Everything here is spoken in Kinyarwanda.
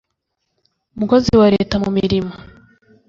mukozi wa Leta mu mirimo